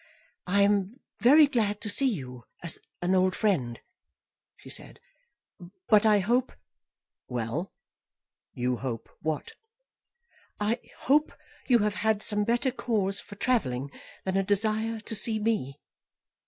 "I am very glad to see you, as an old friend," she said; "but I hope " "Well; you hope what?" "I hope you have had some better cause for travelling than a desire to see me?"